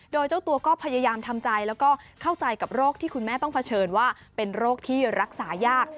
โดยเจ้าตัวก็พยายามทำใจแล้วก็เข้าใจกับโรคที่คุณแม่ต้องเผชิญว่าเป็นโรคที่รักษายาก